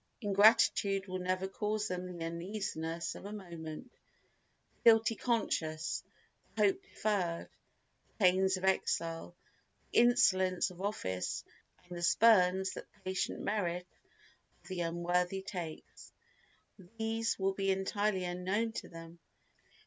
Ingratitude will never cause them the uneasiness of a moment. The guilty conscience, the hope deferred, the pains of exile, the insolence of office and the spurns that patient merit of the unworthy takes—these will be entirely unknown to them.